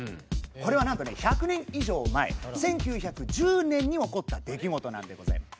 これはなんとね１００年以上前１９１０年に起こった出来事なんでございます。